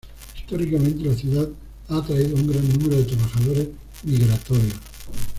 Históricamente la ciudad ha atraído a un gran número de trabajadores migratorios.